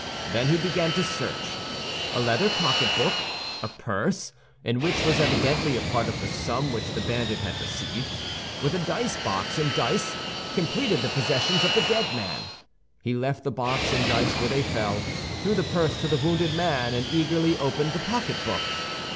Then he began to search. A leather pocketbook, a purse, in which was evidently a part of the sum which the bandit had received, with a dice box and dice, completed the possessions of the dead man. He left the box and dice where they fell, threw the purse to the wounded man, and eagerly opened the pocketbook.